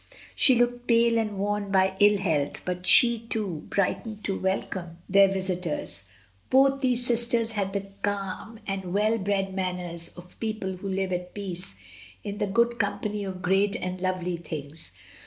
She looked pale and worn by ill health, but she, too, brightened to welcome their "the colonel goes home." 15 visitors. Both these sisters had the calm and well bred manners of people who live at peace, in the good company of great and lovely things.